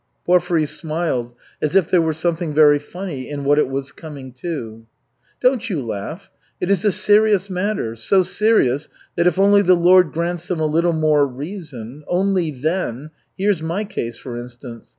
Porfiry smiled as if there were something very funny in "what it was coming to." "Don't you laugh. It is a serious matter, so serious that if only the Lord grants them a little more reason, only then Here's my case, for instance.